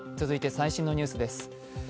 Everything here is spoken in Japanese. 続いて最新のニュースです。